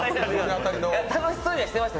楽しそうにはしてました。